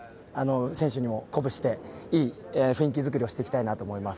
選手も鼓舞していい雰囲気作りをしていきたいと思います。